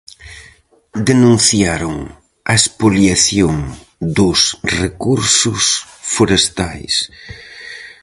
Denunciaron a espoliación dos recursos forestais.